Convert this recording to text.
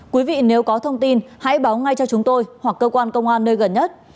quý vị nếu có thông tin hãy báo ngay cho chúng tôi hoặc cơ quan công an nơi gần nhất